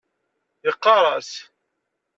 Yeqqar-as .